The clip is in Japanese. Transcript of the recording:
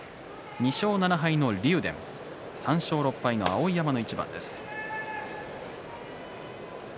２勝７敗の竜電３勝６敗の碧山の一番です。